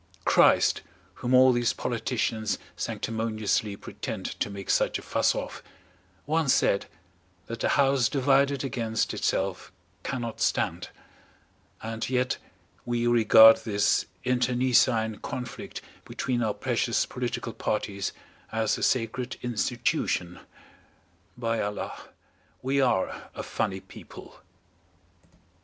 Christ, whom all these politicians sanctimoniously pretend to make such a fuss of, once said that a house divided against itself cannot stand. And yet we regard this internecine conflict between our precious political parties as a sacred institution. By Allah, we are a funny people!